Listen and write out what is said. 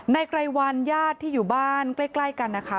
ไกรวัลญาติที่อยู่บ้านใกล้กันนะคะ